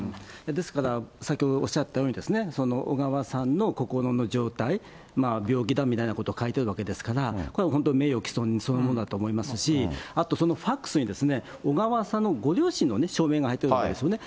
ですから、先ほどおっしゃったように、小川さんの心の状態、病気だみたいなことを書いてるわけですから、これ本当に名誉毀損そのものだと思いますし、あとそのファックスに、小川さんのご両親の署名が入ってるわけですよね。